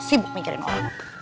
sibuk mikirin orang